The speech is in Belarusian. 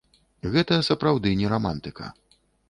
Гэта сапраўды не рамантыка.